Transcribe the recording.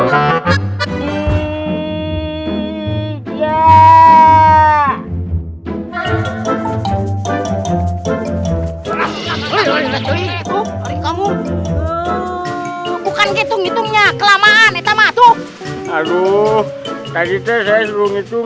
selasi selasi bangun